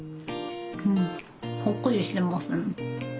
うんほっくりしてますね。